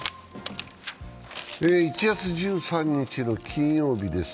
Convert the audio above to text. １月１３日の金曜日です。